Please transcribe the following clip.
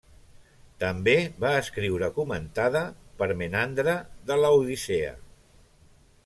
També va escriure comentada per Menandre de Laodicea.